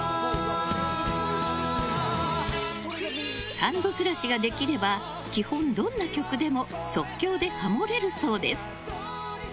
３度ずらしができれば基本、どんな曲でも即興でハモれるそうです。